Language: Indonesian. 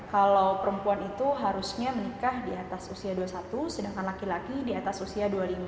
kalau perempuan itu harusnya menikah di atas usia dua puluh satu sedangkan laki laki di atas usia dua puluh lima